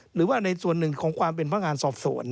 หรือว่าในส่วนหนึ่งของความเป็นพนักงานสอบสวน